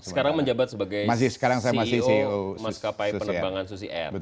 sekarang menjabat sebagai ceo maskapai penerbangan susi air